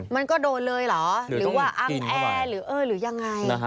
มันแค่ป้าย